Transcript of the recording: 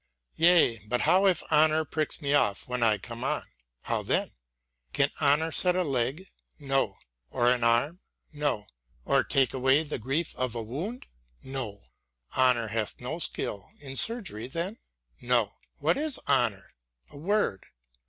Yea, but how if honour prick me off when I come on ?— ^How then ? Can honour set a leg ? No. Or an arm ? No. Or take away the grief of a wound ? No. — Honour hath no skill in surgery then ? No. What is Honour f A word.